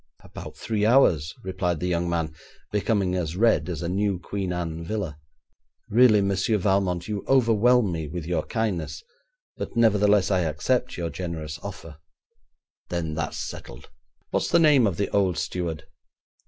'About three hours,' replied the young man, becoming as red as a new Queen Anne villa. 'Really, Monsieur Valmont, you overwhelm me with your kindness, but nevertheless I accept your generous offer.' 'Then that's settled. What's the name of the old steward?'